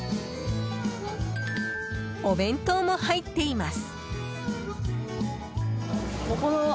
お弁当も入っています。